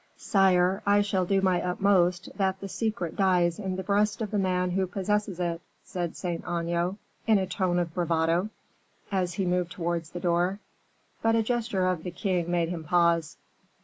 "Sire, I shall do my utmost that the secret dies in the breast of the man who possesses it!" said Saint Aignan, in a tone of bravado, as he moved towards the door; but a gesture of the king made him pause.